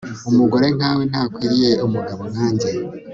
Umugore nkawe ntakwiriye umugabo nkanjye